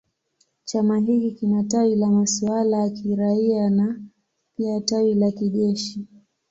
Chama hiki kina tawi la masuala ya kiraia na pia tawi la kijeshi.